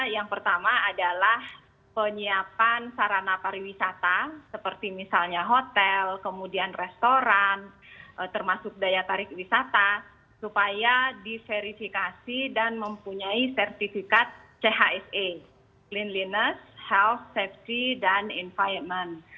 yang pertama adalah penyiapan sarana pariwisata seperti misalnya hotel kemudian restoran termasuk daya tarik wisata supaya diverifikasi dan mempunyai sertifikat chse cleanliness health safety dan environment